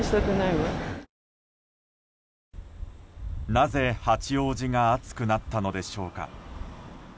なぜ八王子が暑くなったのでしょうか。